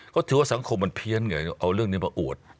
ก็ถือว่าสังคมมันเพี้ยนไงเอาเรื่องนี้มาอวด